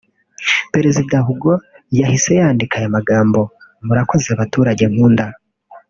Perezida Hugo yahise yandika aya magambo « Murakoze baturage nkunda